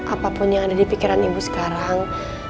apapun yang ada di pikiran ibu sekarang